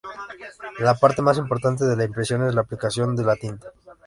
La parte más importante de la impresión es la aplicación de la tinta.